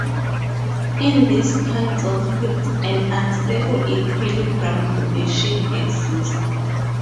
In these kinds of fields an unstable equilibrium condition exists.